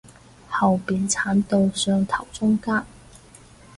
後面剷到上頭中間